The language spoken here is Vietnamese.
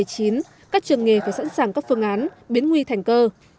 các trường nghề phải sẵn sàng các phương án biến nguy thành cơ